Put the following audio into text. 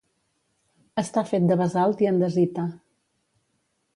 Està fet de basalt i andesita.